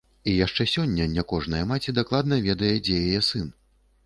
І яшчэ сёння не кожная маці дакладна ведае, дзе яе сын.